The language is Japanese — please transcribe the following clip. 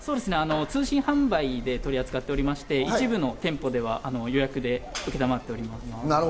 通信販売で取り扱っておりまして、一部の店舗では予約を承っております。